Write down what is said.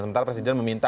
sementara presiden meminta